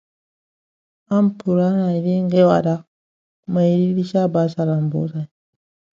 Other Puranas state that the Vatsa kingdom was named after a king, Vatsa.